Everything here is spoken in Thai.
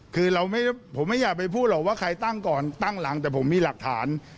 คือผมไม่อยากไปพูดหรอกว่าใครตั้งก่อนตั้งหลังแต่ผมมีหลักฐาน